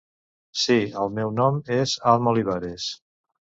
Sí, el meu nom és Alma Olivares.